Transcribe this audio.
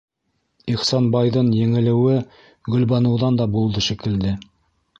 Ихсанбайҙын еңелеүе Гөлбаныуҙан да булды, шикелле.